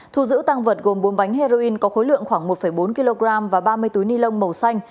thu giữ tăng vật gồm bốn bánh heroin có khối lượng khoảng một bốn kg và ba mươi túi ni lông màu xanh